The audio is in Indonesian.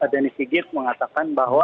denny sigit mengatakan bahwa